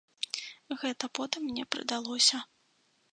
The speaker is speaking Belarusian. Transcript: Гэта потым мне прыдалося.